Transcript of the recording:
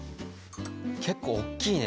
結構おっきいね。